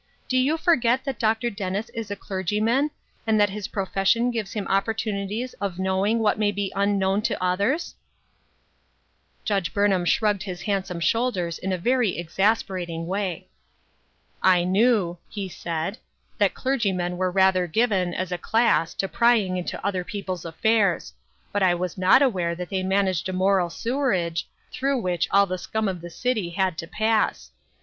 Do you forget that Dr. Dennis is a cler gyman, and that his profession gives him oppor tunities of knowing what may be unknown to others ?" Judge Burnham shrugged his handsome shoul ders in a very exasperating way. " I knew, " he said, "that clergymen were rather given, as a class, to prying into other people's affairs ; but I was not aware that they managed a moral sewerage, through which all the scum of the city had to pass.